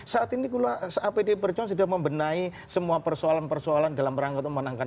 saat ini pdib perjuangan sudah membenahi semua persoalan persoalan dalam rangka untuk menangkan dua ribu tujuh belas